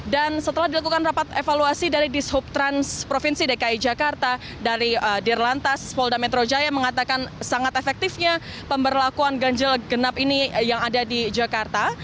dan setelah dilakukan rapat evaluasi dari dishub trans provinsi dki jakarta dari dirlantas polda metro jaya mengatakan sangat efektifnya pemberlakuan ganjil genap ini yang ada di jakarta